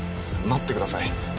待ってください。